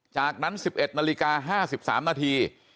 จากนั้น๑๑นาฬิกา๕๓นาที